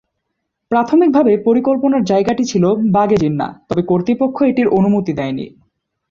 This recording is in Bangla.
প্রাথমিকভাবে পরিকল্পনার জায়গাটি ছিল বাগ-এ-জিন্নাহ, তবে কর্তৃপক্ষ এটির অনুমতি দেয়নি।